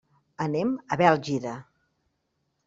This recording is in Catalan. Anem a Bèlgida.